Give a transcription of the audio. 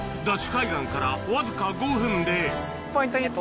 海岸からわずか５分ではい。